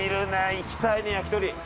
行きたいね焼き鳥。